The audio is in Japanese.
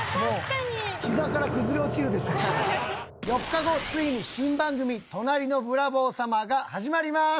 ４日後ついに新番組『隣のブラボー様』が始まります。